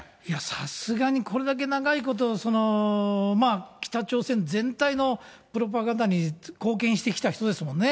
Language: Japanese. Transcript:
さすがにこれだけ長いこと、北朝鮮全体のプロパガンダに貢献してきた人ですもんね。